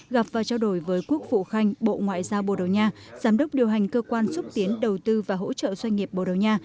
gặp và trao đổi với quốc phụ khanh bộ ngoại giao bồ đầu nha giám đốc điều hành cơ quan xúc tiến đầu tư và hỗ trợ doanh nghiệp bồ đầu nha